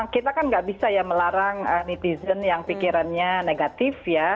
kita kan nggak bisa ya melarang netizen yang pikirannya negatif ya